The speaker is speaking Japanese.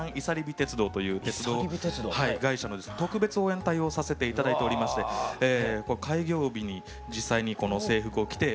鉄道という鉄道会社の特別応援隊をさせて頂いておりまして開業日に実際にこの制服を着て。